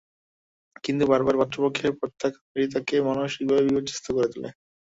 কিন্তু বারবার পাত্রপক্ষের প্রত্যাখ্যান রিতাকে মানসিকভাবে বিপর্যস্ত করে তোলে।